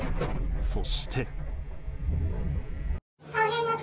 そして。